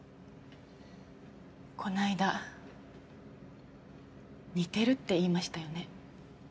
この間似てるって言いましたよね？